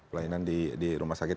pelayanan di rumah sakit